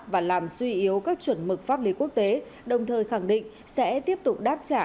và làm suy yếu các chuẩn mực pháp lý quốc tế đồng thời khẳng định sẽ tiếp tục đáp trả